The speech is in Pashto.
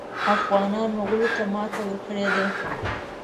افغانانو مغولو ته ماته ورکړې ده.